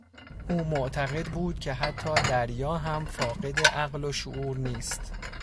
او معتقد بود که حتی دریا هم فاقد عقل و شعور نیست.